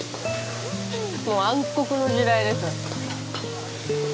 もう暗黒の時代です